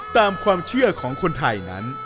ตามความเชื่อของคนไทยนั้น